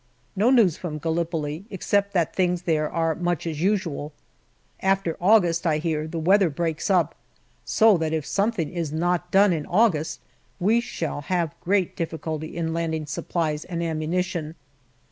No news from Gallipoli, except that things there are much as usual. After August, I hear, the weather breaks up, so that if something is not done in August, we shall have great difficulty in landing supplies and ammunition.